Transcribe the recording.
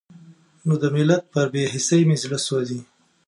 نو د ملت پر بې حسۍ مې زړه سوزي.